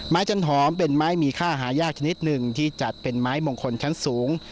จันหอมเป็นไม้มีค่าหายากชนิดหนึ่งที่จัดเป็นไม้มงคลชั้นสูง